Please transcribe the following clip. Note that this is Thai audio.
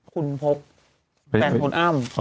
หรือปลุกแฟนของอ้ำ